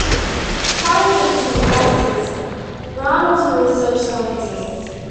Prior to entering politics Brown was a research scientist.